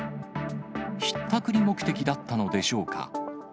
ひったくり目的だったのでしょうか。